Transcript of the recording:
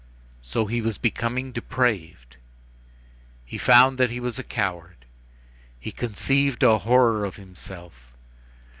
So he was becoming depraved. He found that he was a coward. He conceived a horror of himself.